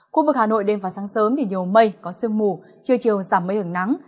khu vực hà nội đêm và sáng sớm nhiều mây có sương mù chiều chiều giảm mây hưởng nắng